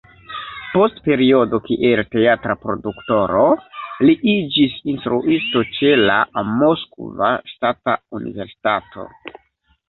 Post periodo kiel teatra produktoro, li iĝis instruisto ĉe la Moskva Ŝtata Universitato.